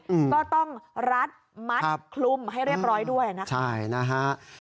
อืมก็ต้องรัดมัดคลุมให้เรียบร้อยด้วยนะคะใช่นะฮะ